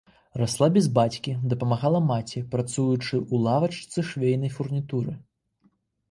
Расла без бацькі, дапамагала маці, працуючы ў лавачцы швейнай фурнітуры.